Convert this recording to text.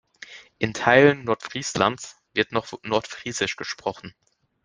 In Teilen Nordfrieslands wird noch Nordfriesisch gesprochen.